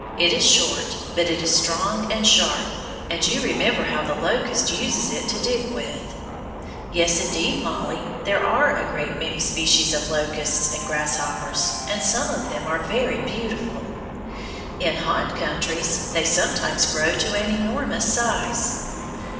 It is short, but it is strong and sharp, and you remember how the locust uses it to dig with. Yes, indeed, Mollie, there are a great many species of locusts and grasshoppers, and some of them are very beautiful. In hot countries they sometimes grow to an enormous size.